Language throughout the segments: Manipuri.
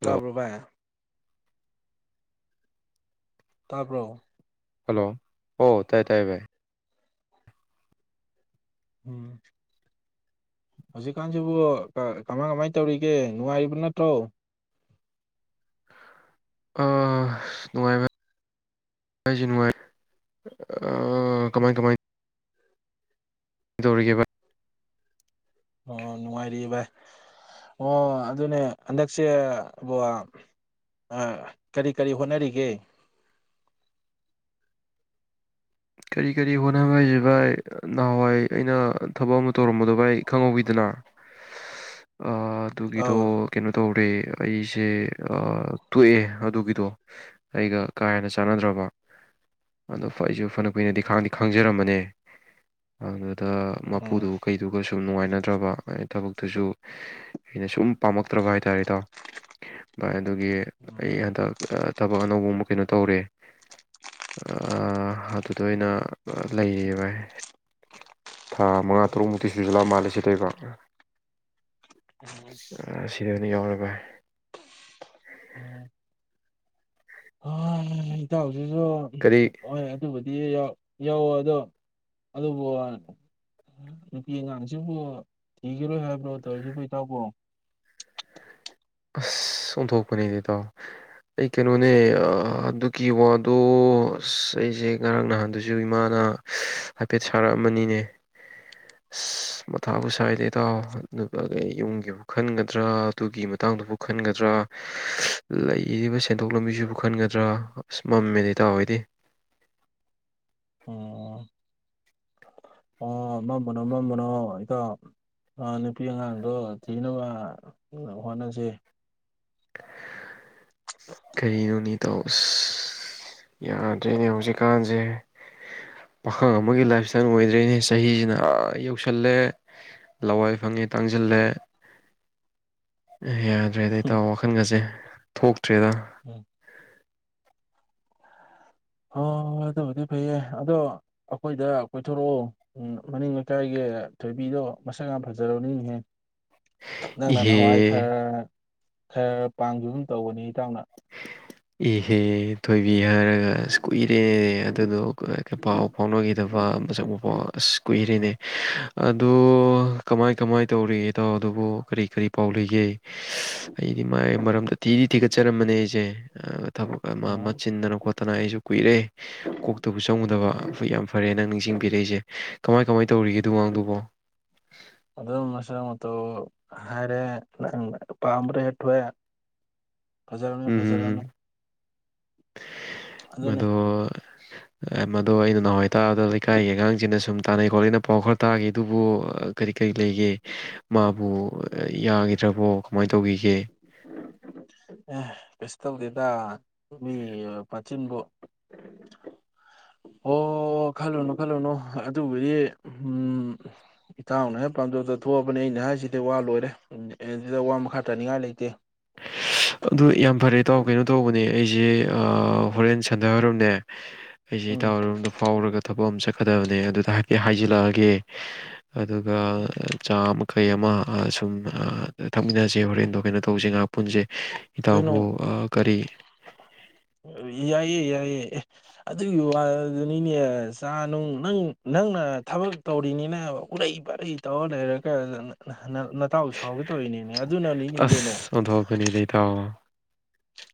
ꯍꯜꯂꯣ ꯇꯥꯕ꯭ꯔꯣ ꯚꯥꯏ ꯇꯥꯕ꯭ꯔꯣ ꯍꯜꯂꯣ ꯑꯣ ꯇꯥꯏ ꯇꯥꯏ ꯚꯥꯏ ꯎꯝ ꯍꯧꯖꯤꯛꯀꯥꯟꯁꯤꯕꯨ ꯀꯃꯥꯏ ꯀꯃꯥꯏ ꯇꯧꯔꯤꯒꯦ ꯅꯨꯡꯉꯥꯏꯔꯤꯕ ꯅꯠꯇ꯭ꯔꯣ ꯑ ꯅꯨꯡꯉꯥꯏ ꯚꯥꯏ ꯅꯨꯡꯉꯥꯏꯔꯤ ꯑ ꯑ ꯀꯃꯥꯏ ꯀꯃꯥꯏ ꯀꯩꯗꯧꯔꯤꯒꯦ ꯚꯥꯏ ꯑ ꯅꯨꯡꯉꯥꯏꯔꯤꯌꯦ ꯚꯥꯏ ꯑ ꯑꯗꯨꯅꯦ ꯍꯟꯗꯛꯁꯤꯕꯨ ꯑ ꯀꯔꯤ ꯀꯔꯤ ꯍꯣꯠꯅꯔꯤꯒꯦ ꯀꯔꯤ ꯀꯔꯤ ꯍꯣꯠꯅꯕ ꯍꯥꯏꯁꯦ ꯚꯥꯏ ꯅꯍꯋꯥꯏ ꯑꯩꯅ ꯊꯕꯛ ꯑꯃ ꯇꯧꯔꯝꯕꯗꯣ ꯚꯥꯏ ꯈꯪꯍꯧꯋꯤꯗꯅ ꯑ ꯑꯗꯨꯒꯤꯗꯣ ꯑꯧ ꯀꯩꯅꯣ ꯇꯧꯔꯦ ꯑꯩꯁꯦ ꯑ ꯇꯣꯛꯑꯦ ꯑꯗꯨꯒꯤꯗꯣ ꯑꯩꯒ ꯀꯥ ꯍꯦꯟꯅ ꯆꯥꯅꯗꯔꯕ ꯑꯗꯣ ꯑꯩꯁꯦ ꯐꯅ ꯐꯅ ꯀꯨꯏꯅ ꯈꯥꯡꯗꯤ ꯈꯥꯡꯖꯔꯝꯕꯅꯦ ꯑꯗ ꯑꯗ ꯎꯝ ꯃꯄꯨꯗꯨ ꯀꯩꯗꯨꯒ ꯁꯨꯝ ꯅꯨꯡꯉꯥꯏꯅꯗ꯭ꯔꯕ ꯊꯕꯛ ꯇꯨꯁꯨ ꯑꯩꯅ ꯁꯨꯝ ꯄꯥꯝꯃꯛꯇꯔꯕ ꯍꯥꯏ ꯇꯥꯔꯦ ꯏꯇꯥꯎ ꯑꯗ ꯑꯗꯨꯒꯤ ꯑꯩ ꯎꯝ ꯍꯟꯇꯛ ꯊꯕꯛ ꯑꯅꯧꯕ ꯑꯃ ꯀꯩꯅꯣ ꯇꯧꯔꯦ ꯑ ꯑꯗꯨꯗ ꯑꯣꯏꯅ ꯂꯩꯌꯦ ꯚꯥꯏ ꯊꯥ ꯃꯉꯥ ꯇꯔꯨꯛ ꯃꯨꯛꯇꯤ ꯁꯨꯖꯤꯜꯂꯛꯑ ꯃꯥꯜꯂꯦ ꯁꯤ [unintelligible] [unintelligible] ꯎꯝ ꯏꯇꯥꯎ ꯁꯤꯁꯨ ꯀꯔꯤ ꯍꯣꯏ ꯑꯗꯨꯕꯨꯗꯤ ꯌꯥꯎꯑꯦ ꯑꯗꯣ ꯑꯗꯨꯕꯨ ꯅꯨꯄꯤ ꯑꯉꯥꯡꯁꯤꯕꯨ ꯊꯤꯈꯤꯔꯣꯏ ꯍꯥꯏꯕꯔꯣ ꯇꯧꯏꯁꯤꯕꯨ ꯏꯇꯥꯎꯕꯨ ꯑꯥꯁ ꯑꯣꯟꯊꯣꯛꯄꯅꯤꯗ ꯏꯇꯥꯎ ꯑꯩ ꯀꯩꯅꯣꯅꯦ ꯑꯥ ꯑꯗꯨꯒꯤ ꯋꯥꯗꯣ ꯑꯥꯁ ꯑꯩꯁꯦ ꯉꯥꯔꯥꯡ ꯅꯍꯥꯟꯗꯁꯨ ꯏꯃꯥꯅ ꯍꯥꯏꯐꯦꯠ ꯁꯥꯔꯛ ꯑꯝꯕꯅꯤꯅꯦ ꯏꯁ ꯃꯊꯥꯕꯨ ꯁꯥꯏꯗ ꯏꯇꯥꯎ ꯑꯗꯨꯗꯒꯤ ꯌꯨꯝꯒꯤ ꯑꯃꯨꯛ ꯈꯟꯒꯗꯔ ꯑꯗꯨꯒꯤꯃꯨꯛ ꯒꯤ ꯃꯥꯇꯥꯡꯗꯕꯨ ꯀꯟꯒꯗꯔ ꯂꯩꯔꯤꯕ ꯁꯦꯟ ꯊꯣꯛ ꯂꯝꯕꯤꯁꯤꯕꯨ ꯀꯟꯒꯗꯔ ꯃꯝꯃꯦꯗ ꯏꯇꯥꯎ ꯑꯩꯗꯤ ꯑꯣ ꯑ ꯃꯝꯃꯨꯅꯣ ꯃꯝꯃꯨꯅꯣ ꯏꯇꯥꯎ ꯅꯨꯄꯤ ꯑꯉꯥꯡꯗꯣ ꯊꯤꯅꯕ ꯍꯣꯠꯅꯁꯦ ꯀꯔꯤꯅꯣꯅꯦ ꯏꯇꯥꯎ ꯑꯥꯁ ꯌꯥꯗꯔꯦꯅꯦ ꯍꯧꯖꯤꯛ ꯀꯥꯟꯁꯦ ꯄꯥꯈꯪ ꯑꯃꯒꯤ ꯂꯥꯏꯞ ꯢꯁꯇꯥꯏꯜ ꯑꯣꯏꯗꯔꯦꯅꯦ ꯆꯥꯍꯤꯅ ꯑꯥꯌꯧꯁꯜꯂꯦ ꯆꯤꯔꯥꯏ ꯐꯪꯂꯦ ꯇꯥꯡꯁꯤꯜꯂꯦ ꯌꯥꯗꯔꯦꯗ ꯏꯇꯥꯎ ꯊꯥꯈꯟꯒꯁꯦ ꯊꯣꯛꯇꯔꯦꯗ ꯎꯝ ꯍꯣꯏ ꯍꯣꯏ ꯑꯗꯨꯕꯨꯗꯤ ꯐꯩꯌꯦ ꯑꯗꯣ ꯑꯩꯈꯣꯏꯗ ꯀꯣꯏ ꯊꯣꯔꯛꯑꯣ ꯎꯝ ꯃꯅꯤꯡ ꯂꯩꯀꯥꯏꯒꯤ ꯊꯣꯏꯕꯤꯗꯣ ꯃꯁꯛ ꯌꯥꯝ ꯐꯥꯖꯔꯕꯅꯤꯅꯦ ꯅꯪꯅ ꯏꯍꯦ ꯅꯍꯥꯟ ꯋꯥꯏ ꯈꯔ ꯈꯔ ꯄꯥꯝꯈꯤꯒꯨꯝ ꯇꯧꯕꯅꯤ ꯏꯇꯥꯎꯅ ꯏꯍꯦ ꯊꯣꯏꯕꯤ ꯑꯥꯁ ꯀꯨꯏꯔꯦ ꯑꯗꯨꯗꯣ ꯄꯥꯎ ꯐꯥꯎꯅꯈꯤꯗꯕ ꯃꯁꯛ ꯃꯄꯥꯎ ꯑꯣ ꯀꯃꯥꯏ ꯀꯃꯥꯏ ꯇꯧꯔꯤꯒꯦ ꯏꯇꯥꯎ ꯑꯗꯨꯕꯣ ꯀꯔꯤ ꯀꯔꯤ ꯄꯥꯎ ꯂꯩꯒꯦ ꯑꯩꯗꯤ ꯃꯥꯒꯤ ꯃꯔꯝꯗ ꯊꯤꯗꯤ ꯊꯤꯒꯠ ꯆꯥꯔꯝꯕꯅꯦ ꯑꯩꯁꯦ ꯑ ꯊꯕꯛ ꯑꯃ ꯑꯃ ꯎꯝ ꯆꯤꯟꯗꯅ ꯈꯣꯠꯇꯅ ꯑꯩꯁꯨ ꯀꯨꯏꯔꯦ ꯀꯣꯛꯇꯕꯨ ꯆꯪꯉꯨꯗꯕ ꯌꯥꯝ ꯐꯔꯦ ꯅꯪ ꯅꯤꯡꯁꯤꯡꯕꯤꯔꯛꯏꯁꯦ ꯀꯃꯥꯏ ꯀꯃꯥꯏ ꯇꯧꯔꯤꯒꯦ ꯑꯗꯨꯏ ꯑꯉꯥꯡꯗꯨꯕꯣ ꯇꯣ ꯍꯥꯏꯔꯦ ꯄꯥꯝꯕꯗꯣ ꯍꯦꯛ ꯊꯣꯛꯑꯦ ꯐꯖꯔꯝꯅꯦ ꯐꯖꯔꯝꯅꯦ ꯃꯗꯣ ꯃꯗꯣ ꯑꯩꯅ ꯅꯍꯥꯟꯋꯥꯏ ꯇꯥꯕꯗ ꯂꯩꯀꯥꯏ ꯑꯉꯥꯡꯁꯤꯡꯅ ꯁꯨꯝ ꯇꯥꯟꯅꯩ ꯈꯣꯠꯂꯦꯅ ꯄꯥꯎ ꯑꯃ ꯇꯥꯈꯤ ꯑꯗꯨꯕꯨ ꯀꯔꯤ ꯀꯔꯤ ꯂꯩꯒꯦ ꯃꯥꯕꯨ ꯌꯥ ꯇꯥꯕ ꯀꯃꯥꯏ ꯑ ꯇꯧꯗꯦꯗ ꯃꯤ ꯃꯆꯤꯟꯕꯨ ꯑꯣ ꯈꯟꯂꯨꯅꯨ ꯈꯟꯂꯨꯅꯨ ꯑꯗꯨꯕꯨꯗꯤ ꯎꯝ ꯏꯇꯥꯎꯅ ꯍꯦꯛ ꯄꯥꯝꯖꯕꯗꯨ ꯊꯣꯛꯂꯕꯅꯤ ꯑꯩ ꯍꯥꯏꯁꯤꯗꯤ ꯋꯥ ꯂꯣꯢꯔꯦ ꯑꯁꯤꯗ ꯋꯥ ꯃꯈꯥ ꯇꯥꯅꯤꯡꯉꯥꯏ ꯂꯩꯇꯦ ꯑꯗꯨ ꯌꯥꯝ ꯐꯔꯦ ꯏꯇꯥꯎ ꯀꯩꯅꯣ ꯇꯧꯕꯅꯦ ꯑꯩꯁꯦ ꯑꯥ ꯍꯣꯔꯦꯟ ꯁꯟꯗꯤꯌꯥ ꯋꯥꯏꯔꯝꯅꯦ ꯑꯩꯁꯦ ꯎꯝ ꯏꯇꯥꯎ ꯍꯣꯏꯔꯣꯝꯗ ꯐꯥꯎꯔꯒ ꯊꯕꯛ ꯑꯃ ꯆꯠꯀꯗꯕꯅꯦ ꯑꯗꯨꯗ ꯍꯥꯏꯐꯦꯠ ꯍꯥꯏꯖꯤꯜꯂꯛꯑꯒꯦ ꯑꯗꯨꯒ ꯆꯥ ꯑꯃ ꯀꯩ ꯑꯃ ꯁꯨꯝ ꯊꯛꯃꯤꯟꯅꯁꯦ ꯍꯣꯔꯦꯟꯗꯣ ꯀꯩꯅꯣ ꯇꯧꯁꯦꯉꯍꯥꯛ ꯄꯨꯟꯁꯦ ꯀꯩꯅꯣ ꯏꯇꯥꯎꯕꯨ ꯑ ꯀꯔꯤ ꯌꯥꯏꯌꯦ ꯌꯥꯏꯌꯦ ꯑꯦ ꯑꯗꯨꯒꯤ ꯋꯥꯗꯨꯅꯤꯅꯦ ꯆꯥꯅꯨꯡ ꯅꯪꯅ ꯊꯕꯛ ꯇꯧꯔꯤꯅꯦꯅ ꯎꯠꯂꯩ ꯄꯥꯔꯩ ꯇꯧꯂꯩꯔꯒ ꯅꯇꯥꯎ ꯁꯥꯎꯒꯦ ꯇꯧꯔꯤꯅꯦ ꯑꯗꯨꯅꯅꯤꯅꯦ ꯀꯩꯅꯣ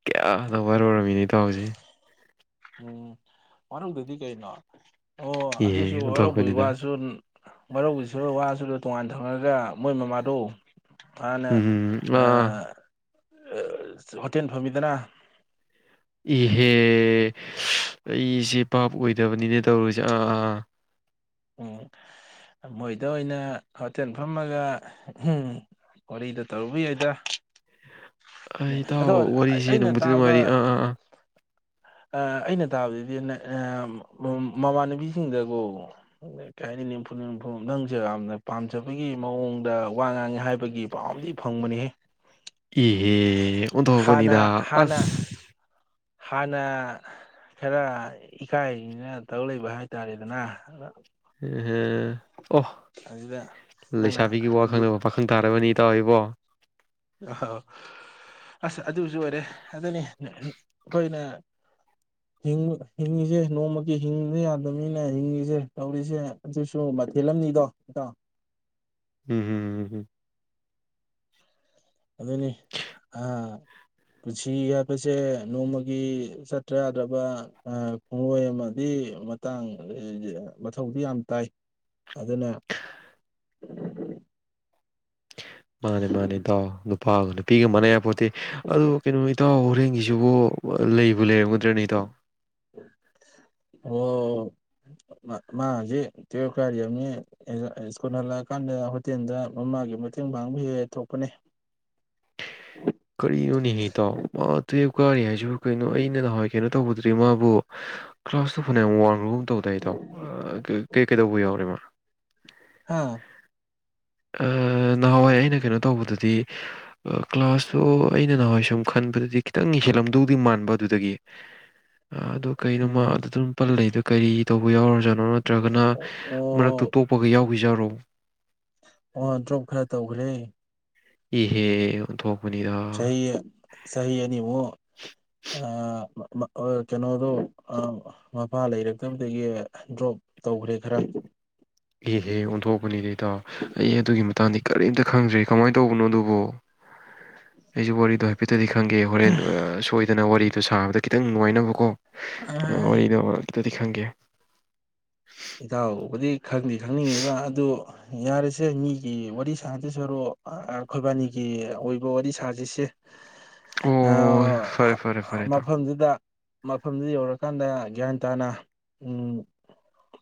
ꯀꯌꯥꯗ ꯋꯥꯔꯧꯔꯝꯃꯤꯅꯣ ꯏꯇꯥꯎꯁꯦ ꯎꯝ ꯋꯥꯔꯧꯗꯗꯤ ꯀꯩꯅꯣ ꯑꯣ ꯑꯗꯨꯁꯨ ꯏꯍꯦ ꯋꯥꯔꯧꯕꯩ ꯑꯣꯟꯊꯣꯛꯄꯅꯤꯗ ꯋꯥꯁꯨ ꯋꯥꯔꯧꯕꯩꯁꯨ ꯋꯥꯁꯨ ꯇꯣꯡꯉꯥꯟ ꯊꯝꯃꯒ ꯃꯣꯏ ꯃꯃꯥꯗꯣ ꯃꯅꯥ ꯎꯝ ꯑ ꯑꯥ [unintelligible] ꯍꯣꯇꯦꯟ ꯐꯝꯃꯤꯗꯅ ꯏꯍꯦ ꯑꯩꯁꯤ ꯕꯥꯕ ꯑꯣꯏꯗꯕꯅꯤꯅꯦ ꯇꯧꯔꯤꯁꯦ ꯑ ꯑ ꯎꯝ ꯃꯣꯏꯗ ꯑꯣꯏꯅ ꯍꯣꯇꯦꯟ ꯐꯝꯃꯒ ꯍꯨꯝ ꯋꯥꯔꯤꯗꯣ ꯇꯧꯕ ꯌꯥꯏꯗ ꯑ ꯏꯇꯥꯎ ꯑꯗꯣ ꯋꯥꯔꯤꯁꯦ ꯅꯡꯕꯨꯗꯤ ꯅꯨꯡꯉꯥꯏꯔꯤ ꯑ ꯑ ꯑ ꯑ ꯑꯩꯅ ꯇꯥꯕꯗꯗꯤ [unintelligible] ꯃꯃꯥꯟꯅꯕꯤ ꯁꯤꯡꯗꯒꯣ ꯀꯩ ꯍꯥꯏꯅꯤ ꯅꯤꯝꯐꯨꯡ ꯅꯤꯡꯐꯨꯡ ꯅꯪꯁꯦ ꯌꯥꯝꯅ ꯄꯥꯝꯖꯕꯒꯤ ꯃꯋꯣꯡꯗ ꯋꯥ ꯉꯥꯡꯉꯦ ꯍꯥꯏꯕꯒꯤ ꯄꯥꯎ ꯑꯝꯗꯤ ꯐꯪꯕꯅꯤꯍꯦ ꯏꯍꯦ ꯑꯣꯟꯊꯣꯛꯕꯅꯤꯗ ꯍꯥꯟꯅ ꯍꯥꯟꯅ ꯑꯁ ꯍꯥꯟꯅ ꯈꯔ ꯏꯀꯥꯏꯔꯤꯅ ꯇꯧ ꯂꯩꯕ ꯍꯥꯏ ꯇꯥꯔꯦꯗꯅ ꯏꯍꯦ ꯑꯣ ꯑꯗꯨꯗ ꯅꯪꯅ ꯂꯩꯁꯥꯕꯤꯒꯤ ꯋꯥ ꯈꯪꯗꯕ ꯄꯥꯈꯪ ꯇꯥꯔꯕꯅꯦ ꯇꯧꯏꯕꯣ ꯑꯍꯣ ꯑꯁ ꯑꯗꯨꯁꯨ ꯑꯣꯏꯔꯦ ꯑꯗꯨꯅꯤ ꯈꯣꯏꯅ ꯍꯤꯡꯕ ꯍꯤꯡꯉꯤꯁꯦ ꯅꯣꯡꯃꯒꯤ ꯍꯤꯡꯗ ꯌꯥꯗꯕ ꯅꯤꯅ ꯍꯤꯡꯏꯁꯦ ꯇꯧꯔꯤꯁꯦ ꯑꯗꯨꯁꯨ ꯃꯊꯦꯜ ꯑꯝꯅꯤꯗꯣ ꯏꯇꯥꯎ ꯎꯝ ꯎꯝ ꯎꯝ ꯍꯝ ꯑꯗꯨꯅꯤ ꯑꯥ ꯄꯨꯟꯁꯤ ꯍꯥꯏꯕꯁꯦ ꯅꯣꯡꯃꯒꯤ ꯆꯠꯇ꯭ꯔ ꯌꯥꯗ꯭ꯔꯕ ꯑ ꯈꯣꯡꯂꯣꯏ ꯑꯃꯗꯤ ꯃꯥꯡꯕ ꯃꯊꯧꯗꯤ ꯌꯥꯝ ꯇꯥꯏ ꯑꯗꯨꯅ ꯃꯥꯅꯦ ꯃꯥꯅꯦ ꯏꯇꯥꯎ ꯅꯨꯄꯥꯒ ꯅꯨꯃꯤꯠ ꯃꯥꯟꯅ ꯌꯥꯄꯣꯠꯇꯦ ꯑꯗꯣ ꯀꯩꯅꯣ ꯏꯇꯥꯎ ꯍꯣꯔꯦꯟꯒꯤꯁꯤꯕꯨ ꯂꯩꯕꯨ ꯂꯩꯔꯝꯒꯗ꯭ꯔꯅꯦ ꯏꯇꯥꯎ ꯑꯣ ꯃꯥ ꯍꯧꯖꯤꯛ ꯇ꯭ꯋꯦꯞ ꯀꯥꯔꯤ ꯍꯥꯏꯕꯅꯤ [unintelligible] ꯁ꯭ꯀꯨꯜ ꯍꯜꯂꯛꯑꯀꯥꯟꯗ ꯍꯣꯇꯦꯟꯗ ꯃꯃꯥꯒꯤ ꯃꯇꯦꯡ ꯄꯥꯡꯕ ꯍꯦꯛ ꯍꯦꯛ ꯊꯣꯛꯄꯅꯤ ꯀꯩꯅꯣꯅꯦꯍꯦ ꯏꯇꯥꯎ ꯃꯥ ꯇ꯭ꯋꯨꯞ ꯀꯥꯔꯤ ꯍꯥꯏꯁꯤꯕꯨ ꯀꯩꯅꯣ ꯑꯩꯅ ꯅꯍꯥꯋꯥꯏ ꯀꯩꯅꯣ ꯇꯧꯕꯗꯗꯤ ꯃꯥꯕꯨ ꯀ꯭ꯂꯥꯁ ꯇꯨ ꯐꯅꯌꯥꯝ ꯋꯥꯡꯕꯒꯨꯝ ꯇꯧꯗꯥꯏ ꯏꯇꯥꯎ ꯑ ꯀꯩ ꯀꯩꯗꯧꯕ ꯌꯥꯎꯔꯦ ꯃꯥ ꯍꯥ ꯑꯥ ꯅꯍꯥꯋꯥꯏ ꯑꯩꯅ ꯀꯩꯅꯣ ꯇꯧꯕꯗꯗꯤ ꯀ꯭ꯂꯥꯁ ꯇꯨ ꯑꯩꯅ ꯅꯍꯥꯋꯥꯏ ꯁꯨꯝ ꯈꯟꯕꯗꯗꯤ ꯈꯤꯇꯪꯗꯤ ꯍꯦꯜꯂꯝꯗꯧꯗꯤ ꯃꯥꯡꯕ ꯑꯗꯨꯗꯒꯤ ꯑꯗꯨ ꯀꯩꯅꯣ ꯃꯥ ꯎꯝ ꯑꯗꯨꯗ ꯑꯗꯨꯝ ꯄꯜ ꯂꯩꯗꯣ ꯀꯔꯤ ꯇꯧꯕ ꯌꯥꯎꯔꯖꯥ [unintelligible] ꯅꯠꯇ꯭ꯔꯒꯅ ꯑꯣ ꯃꯔꯛꯇ ꯇꯣꯛꯄꯒ ꯌꯥꯎ ꯑꯣꯏꯖꯥꯔꯣ ꯑꯣ ꯗ꯭ꯔꯣꯞ ꯈꯔ ꯇꯧꯒ꯭ꯔꯦ ꯏꯍꯦ ꯑꯣꯟꯊꯣꯛ ꯄꯅꯤꯗ ꯆꯍꯤ ꯆꯍꯤ ꯑꯅꯤ ꯃꯨꯛ ꯑꯥ [unintelligible] ꯀꯩꯅꯣꯗꯣ ꯑ ꯃꯄꯥ ꯂꯩꯔꯛꯇꯕꯗꯒꯤ ꯗ꯭ꯔꯣꯞ ꯇꯧꯒ꯭ꯔꯦ ꯈꯔ ꯏꯍꯦ ꯑꯣꯟꯊꯣꯛꯄꯅꯤꯗ ꯏꯇꯥꯎ ꯑꯩ [unintelligible] ꯀꯔꯤꯝꯇ ꯈꯪꯗ꯭ꯔꯦ ꯀꯃꯥꯏ ꯇꯧꯕꯅꯣ ꯑꯗꯨꯕꯣ ꯑꯩꯁꯨ ꯋꯥꯔꯤꯗꯣ ꯈꯤꯇꯗꯤ ꯈꯪꯒꯦ ꯍꯧꯔꯦꯟ ꯁꯣꯏꯗꯅ ꯋꯥꯔꯤꯗꯣ ꯁꯥꯕꯗ ꯈꯤꯇꯪ ꯅꯨꯉꯥꯏꯅꯕ ꯀꯣ ꯋꯥꯔꯤꯗꯣ ꯈꯤꯇꯗꯤ ꯈꯪꯒꯦ ꯏꯇꯥꯎꯕꯨꯗꯤ ꯈꯪꯗꯤ ꯈꯪꯅꯤꯡꯉꯤꯕ ꯑꯗꯨ ꯌꯥꯔꯦꯁꯦ ꯃꯤꯒꯤ ꯋꯥꯔꯤ ꯁꯥꯗꯣꯏ ꯁꯔꯨꯛ ꯑꯈꯣꯏꯕꯥꯅꯤ ꯑꯣꯏꯕ ꯋꯔꯤ ꯁꯥꯖꯤ ꯁꯦ ꯑꯣ ꯐꯔꯦ ꯑꯑ ꯐꯔꯦ ꯐꯔꯦ ꯏꯇꯥꯎ ꯃꯐꯝꯗꯨꯗ ꯃꯐꯝꯗꯨ ꯌꯧꯔꯀꯥꯟꯗ ꯌꯥꯟ ꯇꯥꯅ ꯎꯝ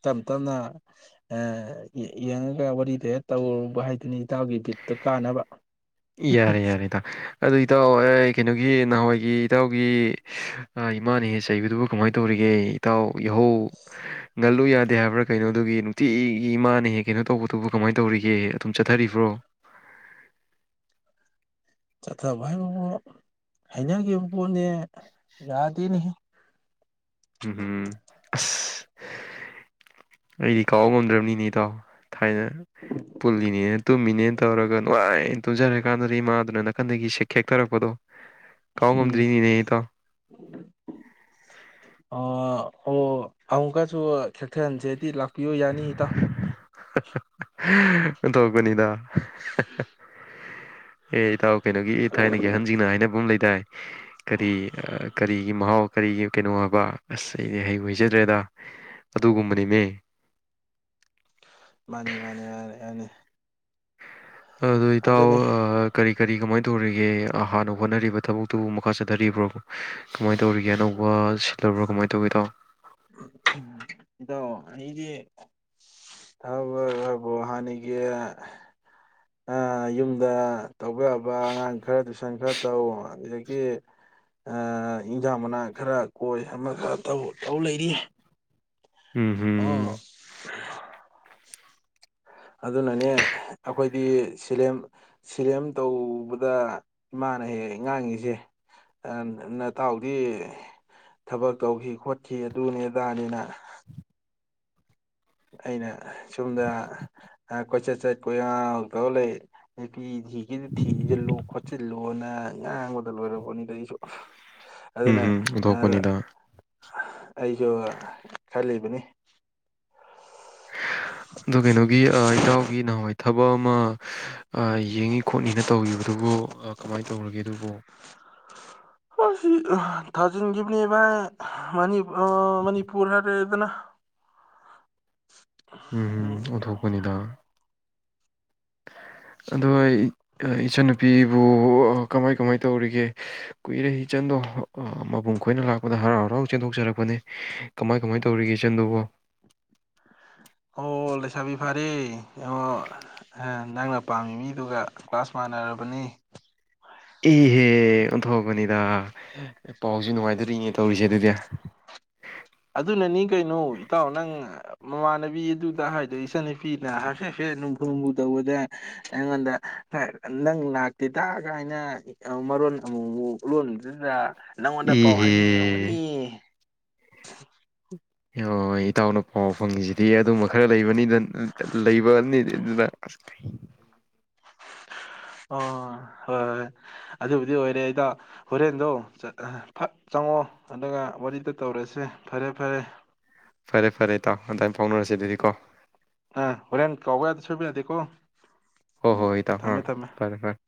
ꯇꯞ ꯇꯞꯅ ꯑ ꯌꯦꯡꯉꯒ ꯋꯥꯔꯤꯗꯣ ꯍꯦꯛ ꯇꯧꯔꯨꯕ ꯍꯥꯏꯗꯨꯅꯤ ꯏꯇꯥꯎ ꯒꯤ ꯕꯤꯠꯇꯣ ꯀꯥꯅꯕ ꯌꯥꯔꯦ ꯌꯥꯔꯦ ꯏꯇꯥꯎ ꯑꯗꯣ ꯏꯇꯥꯎ ꯀꯩꯅꯣꯒꯤ ꯉꯍꯥꯟꯋꯥꯏꯒꯤ ꯏꯇꯥꯎꯒꯤ ꯏꯃꯥꯅ ꯍꯦꯛꯍꯦꯛ ꯆꯩꯕꯗꯨꯕꯨ ꯀꯃꯥꯏ ꯇꯧꯔꯤꯒꯦ ꯏꯇꯥꯎ ꯌꯥꯍꯧ ꯉꯜꯂꯨ ꯌꯥꯗꯦ ꯍꯥꯏꯕ꯭ꯔ ꯀꯩꯅꯣ ꯑꯗꯨꯒꯤ ꯅꯨꯡꯇꯤꯒꯤ ꯏꯃꯥꯅ ꯍꯦꯛꯍꯦꯛ ꯀꯩꯅꯣ ꯇꯧꯕꯗꯨꯕꯨ ꯀꯃꯥꯏ ꯇꯧꯔꯤꯒꯦ ꯑꯗꯨꯝ ꯆꯠꯊꯔꯤꯕ꯭ꯔꯣ ꯆꯠꯊꯕ ꯍꯥꯏꯕꯕꯨ ꯍꯩꯅꯈꯤꯕ ꯄꯣꯠꯅꯤ ꯌꯥꯗꯦꯅꯦꯍꯦ ꯎꯝꯍꯨꯝ ꯑꯁ ꯑꯩꯗꯤ ꯀꯥꯎ ꯉꯝꯗ꯭ꯔꯝꯅꯤꯅꯦ ꯏꯇꯥꯎ ꯊꯥꯏꯅ ꯄꯨꯜꯂꯤꯅꯦꯅ ꯇꯨꯝꯃꯤꯅꯦꯅ ꯇꯧꯔꯒ ꯅꯨꯉꯥꯏ ꯇꯨꯝꯖꯔꯤ ꯀꯥꯟꯗꯗꯤ ꯏꯃꯥꯗꯨꯅ ꯅꯥꯀꯟꯗꯒꯤ ꯏꯁꯤꯡ ꯈꯤꯛꯊꯔꯛꯄꯗꯣ ꯀꯥꯎ ꯉꯝꯗ꯭ꯔꯤꯅꯤꯅꯦ ꯏꯇꯥꯎ ꯑ ꯑꯣ ꯑꯃꯨꯛꯀꯁꯨ ꯈꯤꯛꯊꯍꯟꯁꯦꯗꯤ ꯂꯥꯛ ꯄꯤꯌꯣ ꯌꯥꯅꯤ ꯏꯇꯥꯎ ꯄꯅꯤꯗ ꯍ ꯍ ꯑꯦ ꯏꯇꯥꯎ ꯀꯩꯅꯣꯒꯤ ꯊꯥꯏꯅꯒꯤ ꯑꯍꯟꯖꯤꯡꯅ ꯍꯥꯏꯅꯕ ꯑꯃ ꯂꯩꯗꯥꯏ ꯀꯔꯤ ꯀꯔꯤꯒꯤ ꯃꯍꯥꯎ ꯀꯔꯤꯒꯤ ꯀꯩꯅꯣ ꯑꯁ ꯑꯩꯗꯤ ꯍꯩꯕꯨ ꯍꯩꯖ -ꯗꯦꯗ ꯑꯗꯨꯒꯨꯝꯕ ꯅꯦꯃꯤ ꯃꯥꯅꯦ ꯃꯥꯅꯦ ꯑꯗꯣ ꯏꯇꯥꯎ ꯑ ꯀꯔꯤ ꯀꯃꯥꯏ ꯇꯧꯔꯤꯒꯦ ꯍꯥꯟꯅ ꯍꯣꯠꯅꯔꯤꯕ ꯊꯕꯛꯇꯨꯕꯨ ꯃꯈꯥ ꯆꯠꯊꯔꯤꯕ꯭ꯔꯣ ꯀꯃꯥꯏ ꯇꯧꯔꯤꯒꯦ ꯑꯅꯧꯕ ꯗꯕ꯭ꯔ ꯀꯃꯥꯏ ꯇꯧꯒꯦ ꯏꯇꯥꯎ ꯏꯇꯥꯎ ꯑꯩꯗꯤ ꯊꯕꯛ ꯑꯕꯨ ꯍꯥꯟꯅꯒꯤ ꯑ ꯌꯨꯝꯗ ꯑꯉꯥꯡ ꯈꯔ ꯇꯨꯏꯁꯟ ꯁ ꯈꯔ ꯇꯧ ꯑꯗꯨꯗꯒꯤ ꯑ ꯏꯟꯖꯥꯡ ꯃꯅꯥ ꯈꯔ ꯀꯣꯏ ꯑꯃ ꯈꯔ ꯇꯧ ꯇꯧ ꯂꯩꯔꯤ ꯎ ꯑꯣ ꯍꯝ ꯑꯗꯨꯅꯅꯦ ꯑꯈꯣꯏꯗꯤ ꯁꯤꯂꯦꯝ ꯁꯤꯂꯦꯝ ꯇꯧꯕꯗ ꯏꯃꯥꯅ ꯍꯦꯛ ꯍꯦꯛ ꯉꯥꯛꯉꯤꯁꯦ ꯑ ꯅꯇꯥꯎꯗꯤ ꯊꯕꯛ ꯇꯧꯒꯤ ꯈꯣꯠꯈꯤ ꯑꯗꯨꯅꯤ ꯑꯗꯥꯅꯤꯅ ꯑꯩꯅ ꯁꯣꯝꯗ ꯀꯣꯏꯆꯠ ꯆꯠ ꯀꯣꯏꯉꯧ ꯉꯧꯇꯧꯂꯩ ꯅꯨꯄꯤ ꯊꯤꯒꯦꯁꯨ ꯊꯤꯖꯤꯜꯂꯨ ꯍꯣꯠꯆꯤꯜꯂꯣꯅ ꯉꯥꯡꯕꯗ ꯂꯣꯏꯔꯕꯅꯤ ꯑꯩꯁꯨ ꯎꯝ ꯑꯗꯨꯅ ꯎꯝ ꯃꯤꯈꯣꯠꯄꯅꯤꯗ ꯑꯩꯁꯨꯕ ꯈꯜꯂꯤꯕꯅꯤ ꯑꯗꯨ ꯀꯩꯅꯣꯒꯤ ꯏꯇꯥꯎꯒꯤ ꯅꯍꯥꯋꯥ ꯊꯕꯛ ꯑꯃ ꯍ ꯑ ꯌꯦꯡꯅꯤ ꯈꯣꯠꯅꯤꯅ ꯇꯧꯒꯤꯕꯗꯨꯕꯨ ꯀꯃꯥꯏ ꯇꯧꯒ꯭ꯔꯦ ꯑꯗꯨꯕꯨ ꯍꯥꯁꯤ ꯑ ꯊꯥꯖꯤꯟꯒꯤꯞꯅꯦꯕ ꯃꯅꯤꯄꯨ ꯃꯅꯤꯄꯨꯔꯍꯥꯏꯔꯦꯗꯅ ꯎꯝ ꯑꯣꯟꯊꯣꯛꯄꯅꯤꯗ ꯑꯗꯨ ꯑꯩ ꯏꯆꯟꯅꯨꯄꯤꯕꯨ ꯀꯃꯥꯢ ꯀꯃꯥꯢ ꯇꯧꯔꯤꯒꯦ ꯀꯨꯏꯔꯦ ꯏꯆꯟꯗꯨ ꯃꯕꯨꯡ ꯈꯣꯏꯅ ꯂꯛꯄꯗ ꯍꯔꯥꯎ ꯍꯔꯥꯎ ꯆꯦꯟꯊꯣꯛꯆꯔꯛꯄꯅꯤ ꯀꯃꯥꯏ ꯀꯃꯥꯏ ꯇꯧꯔꯤꯒꯦ ꯏꯆꯟꯗꯨꯕꯨ ꯑꯣ ꯂꯧꯁꯥꯕꯤ ꯐꯔꯦ ꯌꯦꯡꯉꫭ ꯅꯪꯅ ꯄꯥꯝꯃꯤ ꯃꯤꯗꯨꯒ ꯀ꯭ꯂꯥꯁ ꯃꯥꯟꯅꯔꯕꯅꯦ ꯏ ꯑꯦ ꯑꯣꯟꯊꯣꯕꯅꯤꯗ ꯄꯥꯎꯁꯤ ꯅꯨꯉꯥꯏꯗꯔꯤꯅꯦ ꯇꯧꯔꯤꯁꯦ ꯑꯗꯨꯗꯤ ꯑꯗꯨꯅꯅꯤ ꯀꯩꯅꯣ ꯏꯇꯥꯎ ꯅꯪ ꯃꯃꯥꯟꯅꯕꯤ ꯑꯗꯨ ꯑꯗꯥ ꯍꯥꯏꯗꯣ ꯏꯆꯟ ꯅꯨꯄꯤꯗ ꯍꯥꯏꯐꯦꯠ ꯍꯥꯐꯦꯠ ꯂꯨꯝꯐꯨ ꯂꯨꯝꯐꯨ ꯇꯧꯕꯗ ꯑꯩꯉꯣꯟꯗ ꯍ ꯅꯪ ꯂꯥꯛꯇꯦꯗꯅꯒꯥꯏꯅ ꯃꯔꯣꯟ ꯑꯃꯨꯛ ꯃꯨꯛ ꯂꯣꯜꯂꯤꯗꯨꯗ ꯅꯪꯉꯣꯟꯗ ꯄꯥꯎ ꯏꯍꯦ ꯍꯥꯏꯅꯤꯡꯉꯤ ꯑꯣꯝꯒꯅꯤꯌꯦ [inaudible] ꯍꯤꯌꯣ ꯏꯇꯥꯎꯅ ꯄꯥꯎ ꯐꯪꯉꯤꯁꯤꯗꯤ ꯑꯗꯨꯝꯕ ꯈꯔ ꯂꯩꯕꯅꯤꯅ [unintelligible] ꯑ ꯍꯣꯏ ꯍꯣꯏ ꯑꯗꯨꯕꯨꯗꯤ ꯑꯣꯏꯔꯦ ꯏꯇꯥꯎ ꯍꯣꯔꯦꯟꯗꯣ ꯆꯠ ꯍ ꯐꯠ ꯆꯪꯉꯣ ꯑꯗꯨꯒ ꯋꯥꯔꯤꯗꯣ ꯇꯧꯔꯁꯦ ꯐꯔꯦ ꯐꯔꯦ ꯐꯔꯦ ꯐꯔꯦ ꯏꯇꯥꯎ ꯑꯗꯥꯏ ꯐꯥꯎꯅꯔꯁꯤ ꯑꯗꯨꯗꯤꯀꯣ ꯑ ꯍꯣꯔꯦꯟ ꯀꯥꯎꯕ ꯌꯥꯗꯦ ꯁꯣꯏꯕ ꯌꯥꯗꯦꯀꯣ ꯍꯣ ꯎꯝ ꯍꯣ ꯏꯇꯥꯎ ꯍꯥ ꯊꯝꯃꯦ ꯊꯝꯃꯦ ꯐꯔꯦ ꯐꯔꯦ